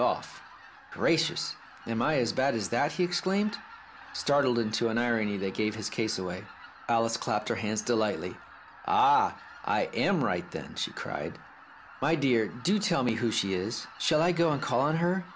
278 The Tragedy of Oliver Bowman "Gracious! Am I as bad as that?" exclaimed he, startled into an irony that gave his case away. Alice clapped her hands delightedly. "Ah ! I am right then !" she cried. "My dear, do tell me who she is ? Shall I go and call on her